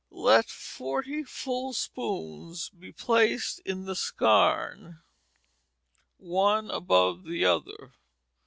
Let forty full spools be placed in the skarne, one above the other.